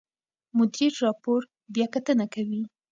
مدیر راپور بیاکتنه کوي.